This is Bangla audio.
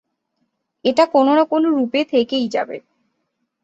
এটা কোনো না কোনো রূপে থেকেই যাবে।